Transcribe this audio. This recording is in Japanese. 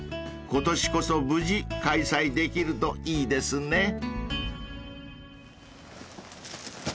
［今年こそ無事開催できるといいですね］